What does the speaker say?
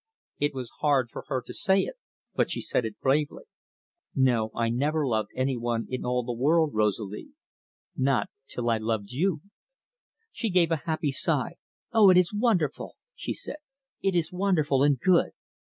It was hard for her to say it, but she said it bravely. "No. I never loved any one in all the world, Rosalie not till I loved you." She gave a happy sigh. "Oh, it is wonderful!" she said. "It is wonderful and good!